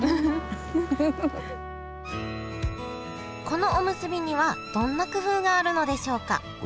このおむすびにはどんな工夫があるのでしょうか？